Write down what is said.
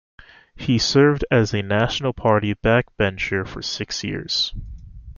He served as a National Party backbencher for six years.